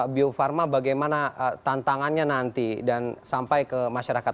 bio farma bagaimana tantangannya nanti dan sampai ke masyarakat